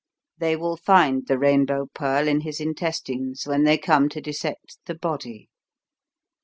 They will find the Rainbow Pearl in his intestines when they come to dissect the body.